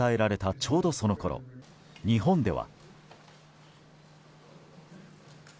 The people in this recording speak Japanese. ちょうどそのころ、日本では。